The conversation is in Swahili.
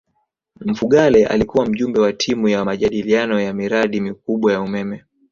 mfugale alikuwa mjumbe wa timu ya majadiliano ya miradi mikubwa ya umeme